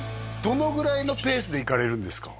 どのぐらいのペースで行かれるんですか？